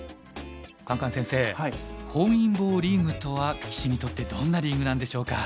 カンカン先生本因坊リーグとは棋士にとってどんなリーグなんでしょうか？